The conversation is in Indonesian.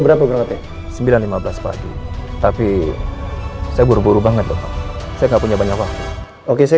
berapa gratis sembilan ratus lima belas padu tapi saya buru buru banget saya nggak punya banyak waktu oke saya